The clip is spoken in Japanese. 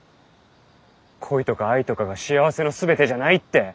恋とか愛とかが幸せの全てじゃないって。